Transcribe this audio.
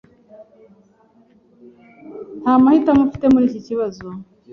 Nta mahitamo ufite muri iki kibazo.